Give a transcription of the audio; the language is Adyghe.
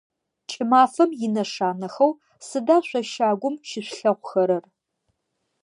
Кӏымафэм инэшанэхэу сыда шъо щагум щышъулъэгъухэрэр?